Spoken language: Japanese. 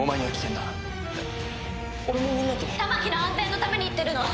玉置の安全のために言ってるの！